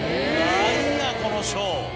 何やこの賞。